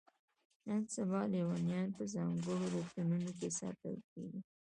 نن سبا لیونیان په ځانګړو روغتونونو کې ساتل کیږي.